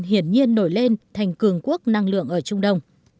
hiển nhiên nổi lên thành cường quốc năng lượng ở trung đông